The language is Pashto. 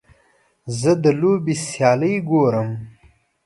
زه د لوبې سیالۍ ګورم.